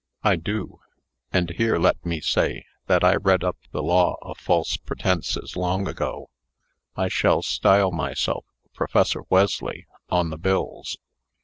"I do. And here let me say, that I read up the law of false pretences long ago. I shall style myself Professor Wesley on the bills.